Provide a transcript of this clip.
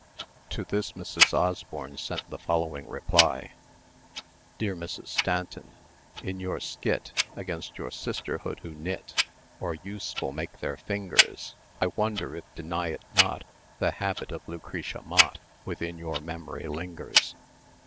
To this Mrs. Osborne sent the following reply: "Dear Mrs. Stanton: "In your skit Against your sisterhood who knit, Or useful make their fingers, I wonder if deny it not The habit of Lucretia Mott Within your memory lingers!